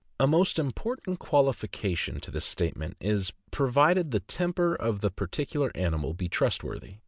A most important qualification to this statement is, pro vided the temper of the particular animal be trustworthy.